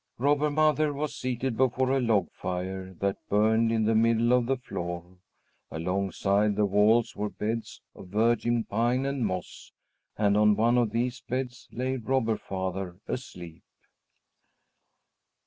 Robber Mother was seated before a log fire that burned in the middle of the floor. Alongside the walls were beds of virgin pine and moss, and on one of these beds lay Robber Father asleep.